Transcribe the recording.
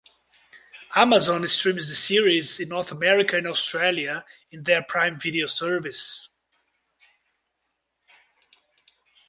Amazon streams the series in North America and Australia on their Prime Video service.